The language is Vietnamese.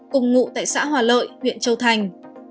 cùng ngụ tại xã hòa lợi huyện châu thành